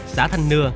xã thanh nưa